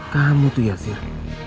kamu tuh ya jir